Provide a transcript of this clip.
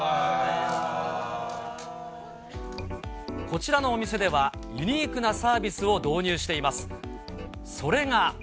こちらのお店では、ユニークなサービスを導入しています。